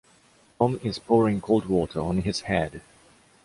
Tom is pouring cold water on his head.